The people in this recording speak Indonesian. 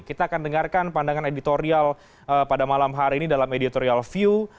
kita akan dengarkan pandangan editorial pada malam hari ini dalam editorial view